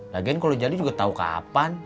lagian kalau jadi juga tahu kapan